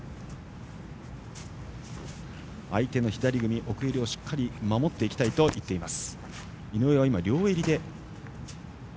相手の左組み、奥襟をしっかり守っていきたいと言っています。